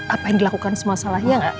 apa yang dilakukan semua salah ya nggak